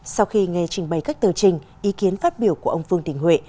sau khi nghe trình bày các tờ trình ý kiến phát biểu của ông vương đình huệ